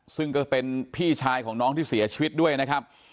ซึ่งก็เป็นพี่ชายของน้องที่เสียชีวิตด้วยนะครับ